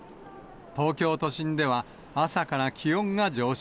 東京都心では朝から気温が上昇。